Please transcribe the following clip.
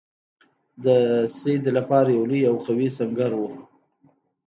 د سید لپاره یو لوی او قوي سنګر وو.